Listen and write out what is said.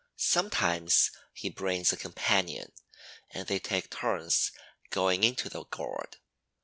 Sometimes he brings a companion and they take turns going into the gourd.